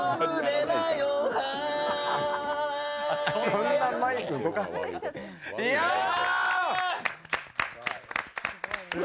そんなマイク動かす？